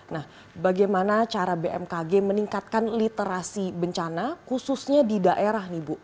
nah bagaimana cara bmkg meningkatkan literasi bencana khususnya di daerah nih bu